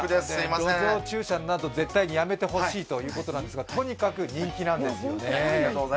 路上駐車など絶対にやめてほしいということですが、とにかく人気なんですよね。